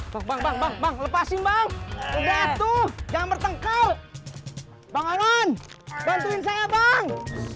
bang bang bang bang lepasin bang udah tuh jangan bertengkar bangawan bantuin saya bang